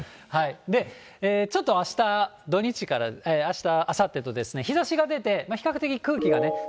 ちょっとあした、土日から、あした、あさってと日ざしが出て、紫外線。